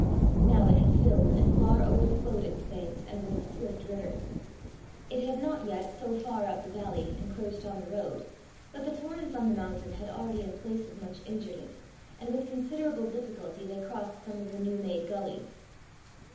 Now it had filled and far overflowed its banks, and was a swift river. It had not yet, so far up the valley, encroached on the road; but the torrents on the mountain had already in places much injured it, and with considerable difficulty they crossed some of the new made gullies.